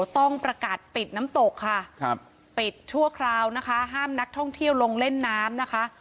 ต้องประกาศปิดน้ำตกค่ะปิดชั่วคราวนะคะห้ามนักท่องเที่ยวลงเล่นน้ำนะคะ